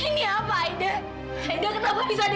ini pasti darah oma kan